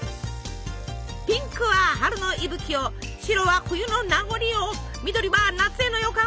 ピンクは春の息吹を白は冬の名残を緑は夏への予感を表現。